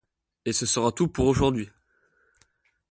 Et ce sera tout pour aujourd'hui!